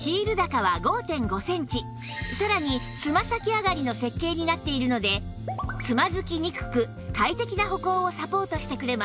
さらにつま先上がりの設計になっているのでつまずきにくく快適な歩行をサポートしてくれます